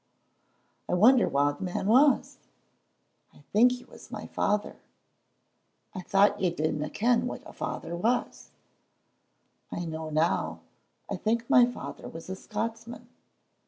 "I wonder wha the man was?" "I think he was my father." "I thought you didna ken what a father was?" "I know now. I think my father was a Scotsman."